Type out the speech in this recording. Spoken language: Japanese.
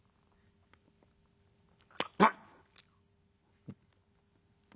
「あっ」。